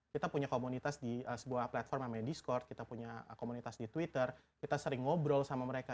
kita punya komunitas di sebuah platform namanya discord kita punya komunitas di twitter kita sering ngobrol sama mereka